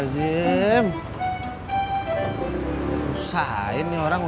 ke kiri bang